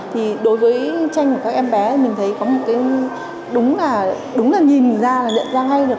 thì đối với tranh của các em bé mình thấy có một cái đúng là nhìn ra là nhận ra ngay được